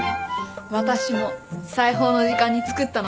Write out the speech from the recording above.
私も裁縫の時間に作ったのさ。